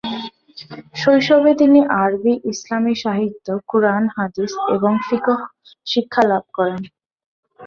শৈশবে তিনি আরবি, ইসলামি সাহিত্য, কুরআন, হাদিস এবং ফিকহ শিক্ষা লাভ করেন।